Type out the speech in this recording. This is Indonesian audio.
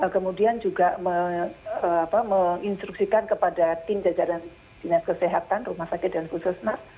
kemudian juga menginstruksikan kepada tim jajaran dinas kesehatan rumah sakit dan khusus mas